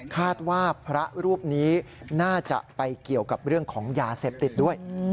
คาดว่าพระรูปนี้น่าจะไปเกี่ยวกับเรื่องของยาเสพติดด้วย